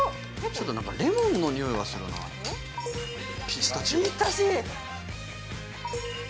ちょっと何かレモンのにおいがするなピスタチオぴったし！